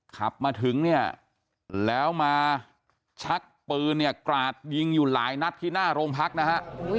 ขับมาถึงเนี่ยแล้วมาชักปืนเนี่ยกราดยิงอยู่หลายนัดที่หน้าโรงพักนะฮะ